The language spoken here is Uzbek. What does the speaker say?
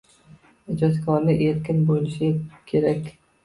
Ijodkorlik erkin bo'lishi kerak